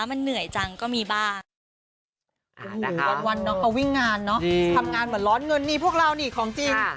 มันเหนื่อยจังก็มีบ้าง